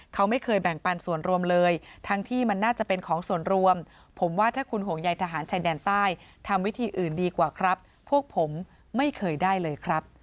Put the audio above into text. เขาไม่เคยแบ่งปันส่วนรวมเลยทั้งที่มันน่าจะเป็นของส่วนรวมผมว่าถ้าคุณห่วงใยทหารชายแดนใต้ทำวิธีอื่นดีกว่าครับพวกผมไม่เคยได้เลยครับ